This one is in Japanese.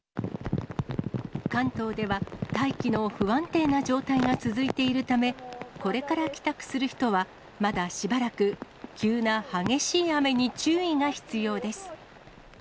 関東では大気の不安定な状態が続いているため、これから帰宅する人は、まだしばらく、急な激しい雨に注意が必要です。